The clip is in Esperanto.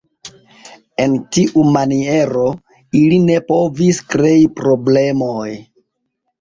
En tiu maniero, ili ne povis krei problemoj.